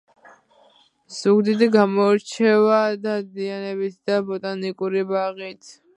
ზუგდიდი გამოირჩევა დადიანებით და ბოტანიკური ბაღით